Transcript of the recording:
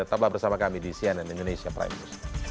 tetaplah bersama kami di cnn indonesia prime news